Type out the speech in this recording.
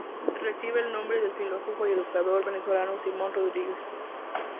Recibe el nombre del filósofo y educador venezolano Simón Rodríguez.